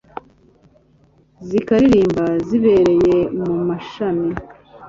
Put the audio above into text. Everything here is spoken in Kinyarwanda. zikaririmba zibereye mu mashami